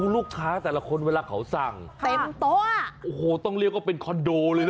ลูกค้าแต่ละคนเวลาเขาสั่งเต็มโต๊ะโอ้โหต้องเรียกว่าเป็นคอนโดเลยนะ